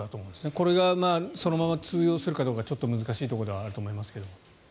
これがそのまま通用するかどうか難しいところではあると思いますが。